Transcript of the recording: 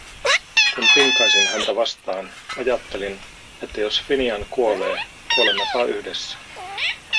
Kun pinkaisin häntä vastaan, ajattelin, että jos Finian kuolee, kuolemmepa yhdessä.